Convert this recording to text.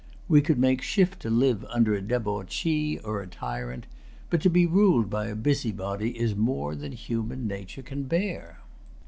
We could make shift to live under a debauchee[Pg 278] or a tyrant; but to be ruled by a busybody is more than human nature can bear.